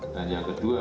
dan yang kedua